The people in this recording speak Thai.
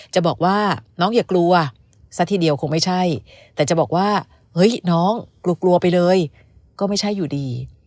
จะบอกว่าน้องอย่ากลัวซะทีเดียวคงไม่ใช่แต่จะบอกว่าเฮ้ยน้องกลัวกลัวไปเลยก็ไม่ใช่อยู่ดี